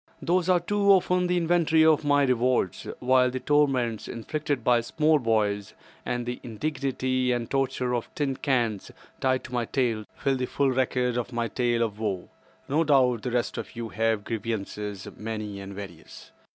These are too often the inventory of my rewards; while the torments inflicted by small boys, and the indignity and torture of tin cans tied to my tail, fill the full record of my tale of woe. No doubt the rest of you have grievances many and various.